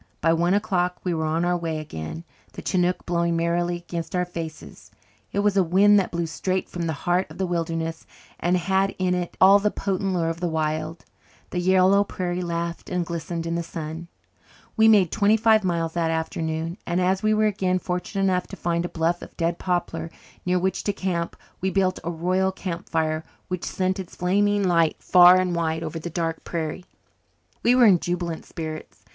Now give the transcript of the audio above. By one o'clock we were on our way again, the chinook blowing merrily against our faces. It was a wind that blew straight from the heart of the wilderness and had in it all the potent lure of the wild. The yellow prairie laughed and glistened in the sun. We made twenty five miles that afternoon and, as we were again fortunate enough to find a bluff of dead poplar near which to camp, we built a royal camp fire which sent its flaming light far and wide over the dark prairie. We were in jubilant spirits.